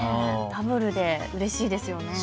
ダブルでうれしいですよね。